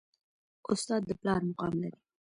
استاد د پلار مقام لري